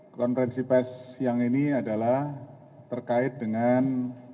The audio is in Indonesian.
konferensi pes siang ini adalah terkait dengan